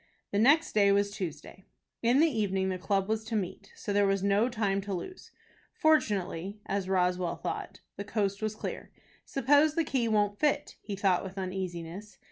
The next day was Tuesday. In the evening the club was to meet, so there was no time to lose. Fortunately, as Roswell thought, the coast was clear. "Suppose the key won't fit?" he thought with uneasiness.